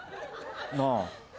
なあ？